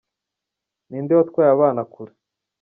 Ninde watwaye abana kure?